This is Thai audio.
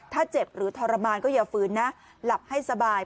ถ้าเจ็บหรือทรมานก็อย่าฝืนนะหลับให้สบาย